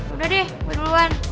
udah deh gua duluan